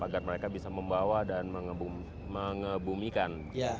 agar mereka bisa membawa dan mengebumikan